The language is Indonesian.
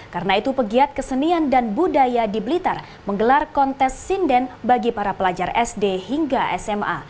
karena itu pegiat kesenian dan budaya di blitar menggelar kontes sinden bagi para pelajar sd hingga sma